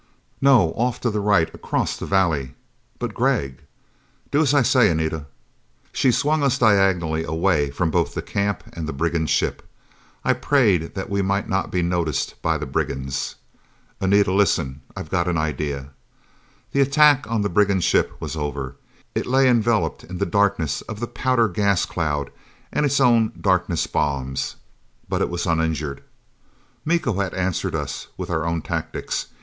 "No! Off to the right, across the valley." "But Gregg!" "Do as I say, Anita." She swung us diagonally away from both the camp and the brigand ship. I prayed that we might not be noticed by the brigands. "Anita, listen: I've got an idea!" The attack on the brigand ship was over. It lay enveloped in the darkness of the powder gas cloud and its own darkness bombs. But it was uninjured. Miko had answered us with our own tactics.